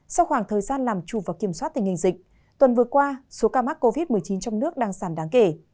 sau khoảng thời gian làm chủ và kiểm soát tình hình dịch tuần vừa qua số ca mắc covid một mươi chín trong nước đang giảm đáng kể